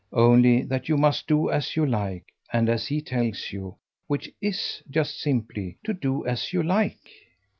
"Only that you must do as you like and as he tells you which IS just simply to do as you like."